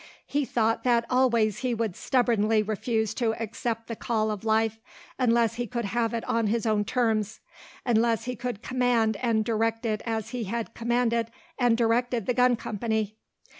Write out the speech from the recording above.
He thought that always he would stubbornly refuse to accept the call of life unless he could have it on his own terms, unless he could command and direct it as he had commanded and directed the gun company.